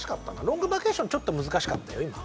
『ロングバケーション』難しかったよ今。